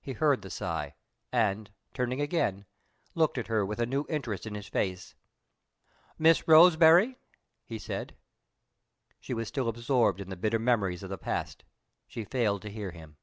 He heard the sigh; and, turning again, looked at her with a new interest in his face. "Miss Roseberry," he said. She was still absorbed in the bitter memories of the past: she failed to hear him.